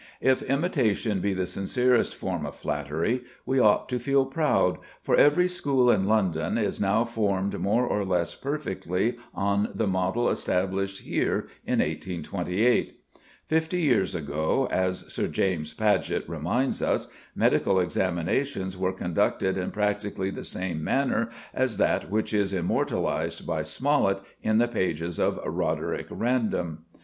If imitation be the sincerest form of flattery, we ought to feel proud, for every school in London is now formed more or less perfectly on the model established here in 1828. Fifty years ago, as Sir James Paget reminds us, medical examinations were conducted in practically the same manner as that which is immortalised by Smollett in the pages of "Roderick Random."